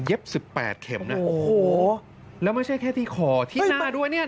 สิบแปดเข็มนะโอ้โหแล้วไม่ใช่แค่ที่คอที่หน้าด้วยเนี่ย